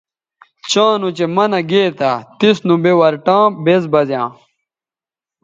چاں نوچہء منع گے تھا تس نوبے ورٹاں بیز بزیاں